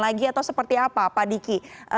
lagi atau seperti apa pak diki